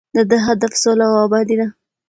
د ده هدف سوله او ابادي ده.